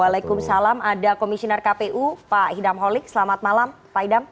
waalaikumsalam ada komisioner kpu pak hidam holik selamat malam pak idam